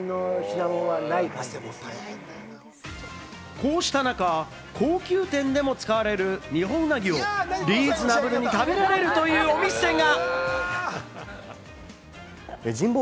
こうした中、高級店でも使われるニホンウナギをリーズナブルに食べられるというお店が！